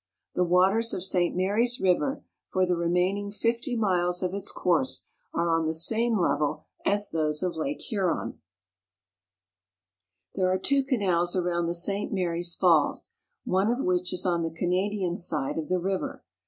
The waters of St. Marys River for the remaining fifty miles of its course are on the same level as those of Lake Huron. THE IRON REGIONS. 179 There are two canals around the St. Marys Falls, one of which is on the Canadian side of the river.